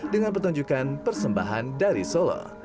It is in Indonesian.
dengan pertunjukan persembahan dari solo